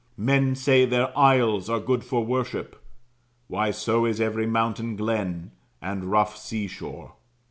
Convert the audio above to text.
Men say their aisles are good for worship. Why, so is every mountain glen, and rough sea shore.